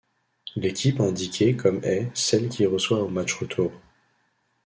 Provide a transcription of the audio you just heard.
L'équipe indiquée comme est celle qui reçoit au match retour.